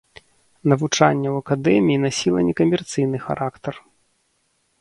Навучанне ў акадэміі насіла некамерцыйны характар.